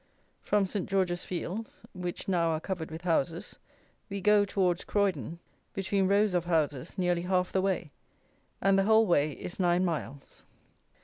From Saint George's Fields, which now are covered with houses, we go, towards Croydon, between rows of houses, nearly half the way, and the whole way is nine miles.